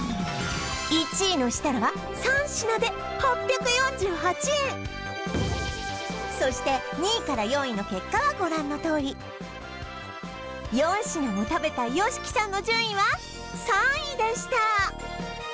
１位の設楽は３品で８４８円そして２位から４位の結果はご覧のとおり４品も食べたＹＯＳＨＩＫＩさんの順位は３位でした